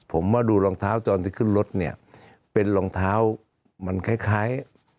ผมมาดูรองเท้าตอนที่ขึ้นรถเนี่ยเป็นรองเท้ามันคล้าย